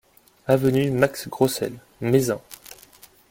Avenue Max Grosselle, Mézin